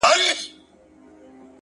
بس ده ژړا مه كوه مړ به مي كړې،